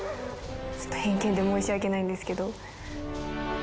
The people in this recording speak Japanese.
ちょっと偏見で申し訳ないんですけど。